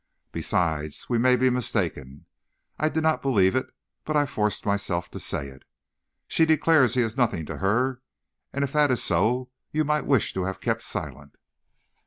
Besides, we may be mistaken.' I did not believe it, but I forced myself to say it. 'She declares he is nothing to her, and if that is so, you might wish to have kept silent.'